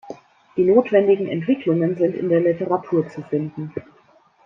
Die notwendigen Entwicklungen sind in der Literatur zu finden.